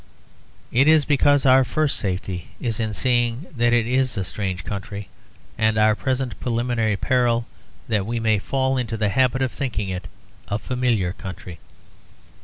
It is because our first safety is in seeing that it is a strange country; and our present preliminary peril that we may fall into the habit of thinking it a familiar country.